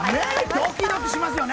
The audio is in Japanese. ドキドキしますよね。